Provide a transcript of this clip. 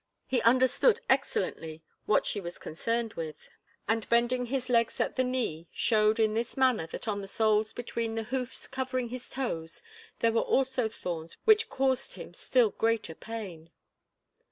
He understood excellently what she was concerned with, and bending his legs at the knee showed in this manner that on the soles between the hoofs covering his toes there were also thorns which caused him still greater pain.